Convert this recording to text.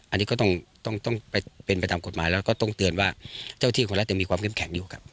อันนี้ก็ต้องไปตามกฎหมายและต้องเตือนว่าเจ้าที่ของของรัฐมีความเก็บแข็งอยู่อ่ะครับ